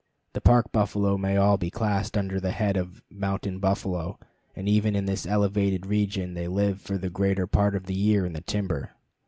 The Park buffalo may all be classed under the head of mountain buffalo, and even in this elevated region they live for the greater part of the year in the timber.